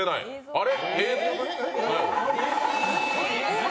あれ？